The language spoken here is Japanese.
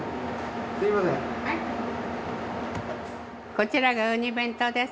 こちらがうに弁当です。